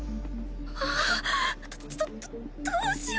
ああどどどどうしよう。